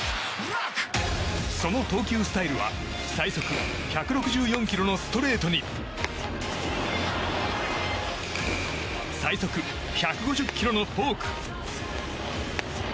その投球スタイルは最速１６４キロのストレートに最速１５０キロのフォーク。